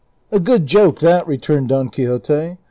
" A GOOD joke, that !" returned Don Quixote.